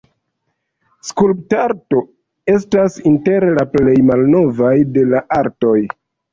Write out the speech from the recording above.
Skulptarto estas inter la plej malnovaj de la artoj.